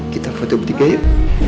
kita foto berdikai yuk